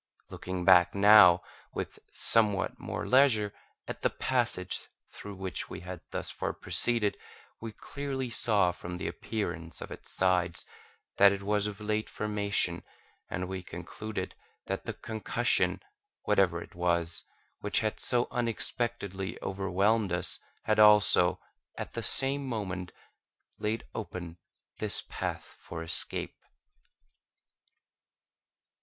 Looking back now, with somewhat more leisure, at the passage through which we had thus far proceeded, we clearly saw from the appearance of its sides, that it was of late formation, and we concluded that the concussion, whatever it was, which had so unexpectedly overwhelmed us, had also, at the same moment, laid open this path for escape.